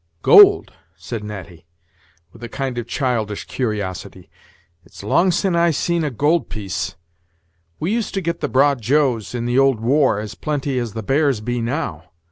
"Gold!" said Natty, with a kind of childish curiosity; "it's long sin' I've seen a gold piece. We used to get the broad joes, in the old war, as plenty as the bears be now.